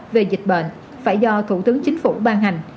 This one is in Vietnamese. về dịch bệnh phải do thủ tướng chính phủ ban hành